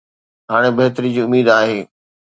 هاڻي بهتري جي اميد آهي.